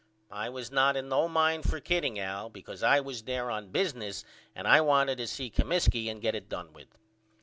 I was not in no mind for kidding Al because I was there on business and I wanted to see Comiskey and get it done with.